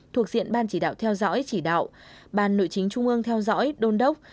thuộc diện ban chỉ đạo theo dõi chỉ đạo ban nội chính trung ương theo dõi đôn đốc